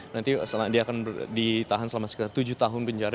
nanti dia akan ditahan selama sekitar tujuh tahun penjara